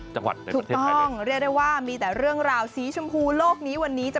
ช่วงตลอดหาเรื่องวันนี้ค่ะ